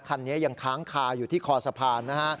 คันนี้ยังค้างคาอยู่ที่คอสะพานนะฮะ